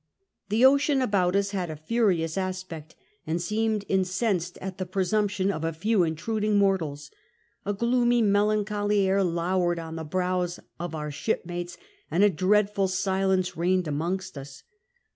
The ocean about us had a fui'ious aspect, and seemed incensed at the presumption of a few iiitniding morhds. A gloomy melancholy air loured on the brows of our shipmates, and a dreadful silence feigned amongst us.